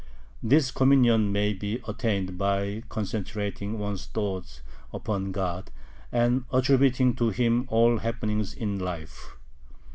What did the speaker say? This communion may be attained by concentrating one's thoughts upon God, and attributing to Him all happenings in life.